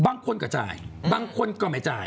บางคนก็จ่ายบางคนก็ไม่จ่าย